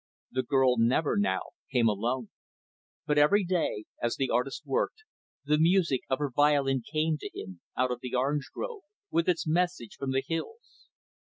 The girl never, now, came alone. But every day, as the artist worked, the music of her violin came to him, out of the orange grove, with its message from the hills.